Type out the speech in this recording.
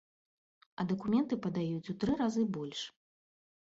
А дакументы падаюць у тры разы больш!